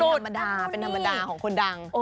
ธรรมดาเป็นธรรมดาของคนดัง